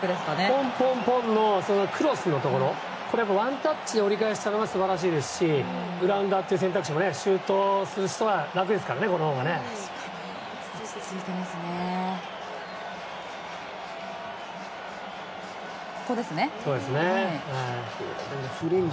ポンポンポンのクロスのところワンタッチで折り返したのが素晴らしいですしグラウンダーという選択肢もシュートする人はこのほうが楽ですからね。